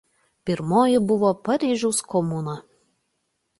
Pirmoji buvo Paryžiaus komuna.